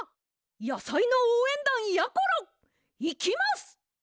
やさいのおうえんだんやころいきます！